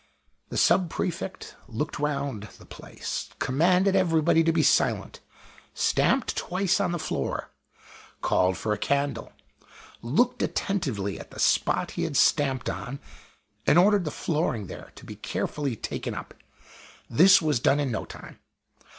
The Sub prefect looked round the place, commanded everybody to be silent, stamped twice on the floor, called for a candle, looked attentively at the spot he had stamped on, and ordered the flooring there to be carefully taken up. This was done in no time.